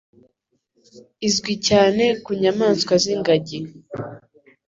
izwi cyane ku nyamaswa z'Ingagi.